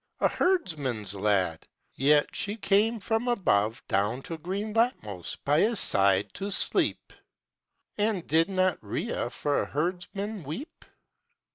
A herdsman's lad. Yet came she from above, Down to green Latmos, by his side to sleep. And did not Rhea for a herdsman weep?